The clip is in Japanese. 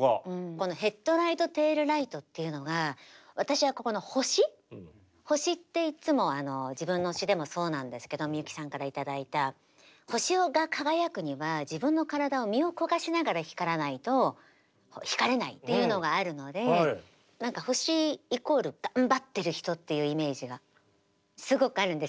この「ヘッドライト・テールライト」っていうのが私はここの星星っていっつも自分の詩でもそうなんですけどみゆきさんから頂いた星が輝くには自分の体を身を焦がしながら光らないと光れないっていうのがあるので星イコール頑張ってる人っていうイメージがすごくあるんですよ